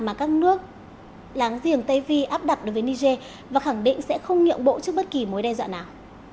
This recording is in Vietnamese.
mà các nước láng giềng tây phi áp đặt đối với niger và khẳng định sẽ không nhượng bộ trước bất kỳ mối đe dọa nào